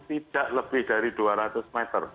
tidak lebih dari dua ratus meter